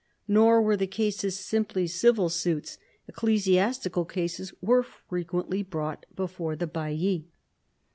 Nor were the cases simply civil suits ; ecclesi astical cases were frequently brought before the baillis.